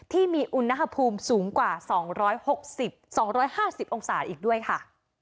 ที่มีอุณหภูมิสูงกว่า๒๖๒๕๐องศาอีกด้วยค่ะ